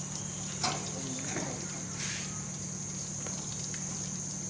สุดท้ายสุดท้ายสุดท้าย